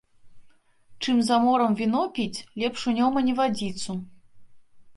Чым за морам віно піць, лепш у Нёмане вадзіцу